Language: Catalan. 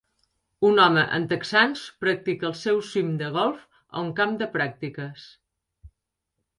Un home amb texans practica el seu swing de golf a un camp de pràctiques